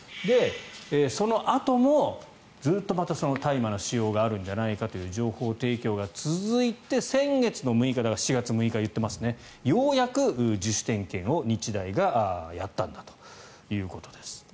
そのあともずっと、大麻の使用があるんじゃないかという情報提供が続いて先月の６日、７月６日ですねようやく自主点検を日大がやったんだということです。